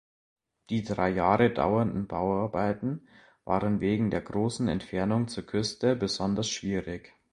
Die drei Jahre dauernden Bauarbeiten waren wegen der großen Entfernung zur Küste besonders schwierig.